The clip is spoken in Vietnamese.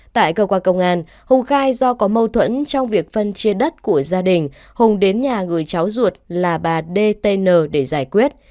tại cơ quan công an hùng khai do có mâu thuẫn trong việc phân chia đất của gia đình hùng đến nhà gửi cháu ruột là bà dtn để giải quyết